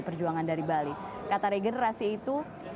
perjuangan dari bali kata regenerasi itu